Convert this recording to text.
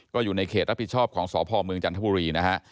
ก็อยู่ในเขตรับผิดชอบของสพเมืองจันทบุรีนะฮะ